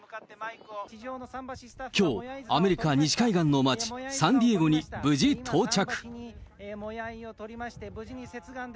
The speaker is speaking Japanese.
きょう、アメリカ西海岸の町、サンディエゴに無事到着。